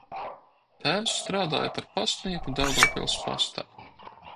Tēvs strādāja par pastnieku Daugavpils pastā.